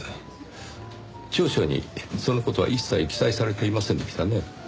調書にその事は一切記載されていませんでしたね。